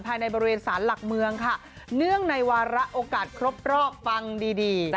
ภายในบริเวณสารหลักเมืองค่ะเนื่องในวาระโอกาสครบรอบฟังดีดี